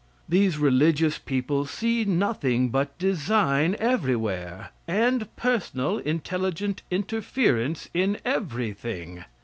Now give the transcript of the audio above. These religious people see nothing but design everywhere, and personal, intelligent interference in everything.